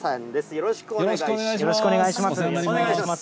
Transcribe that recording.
よろしくお願いします。